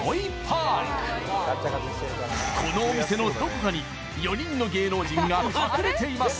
このお店のどこかに４人の芸能人が隠れています